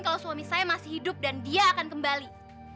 kalau suami saya masih hidup dan dia akan kembali